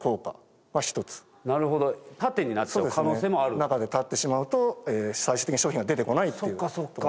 中で立ってしまうと最終的に商品が出てこないっていうことも。